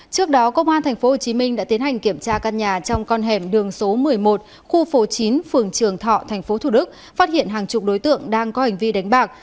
trước đó công an tp hcm đã tiến hành kiểm tra căn nhà trong con hẻm đường số một mươi một khu phố chín phường trường thọ tp thủ đức phát hiện hàng chục đối tượng đang có hành vi đánh bạc